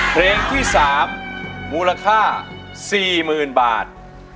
เพลงที่๓มูลค่า๔๐๐๐บาท